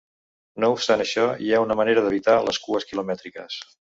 No obstant això, hi ha una manera d’evitar les cues quilomètriques.